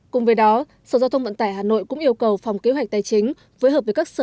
cùng với đó sở giao thông vận tải hà nội cũng yêu cầu phòng kế hoạch tài chính